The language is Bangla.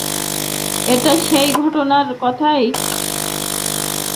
এটা সেই ঘটকের কথার প্রতিধ্বনি– কখন কথাটা এর মনের গভীরতায় আটকা পড়ে গেছে।